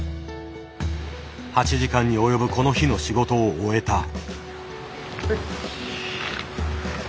８時間に及ぶこの日の仕事を終えた。